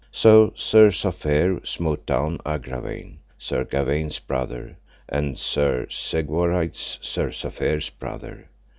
So Sir Safere smote down Agravaine, Sir Gawaine's brother; and Sir Segwarides, Sir Safere's brother.